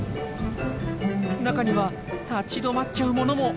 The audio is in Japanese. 中には立ち止まっちゃう者も。